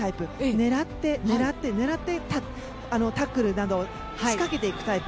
狙って、狙って、狙ってタックルなど仕掛けていくタイプ。